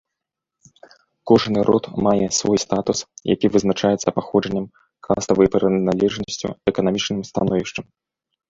Кожны род мае свой статус, які вызначаецца паходжаннем, каставай прыналежнасцю, эканамічным становішчам.